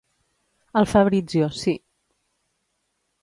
El Fabrizio, sí.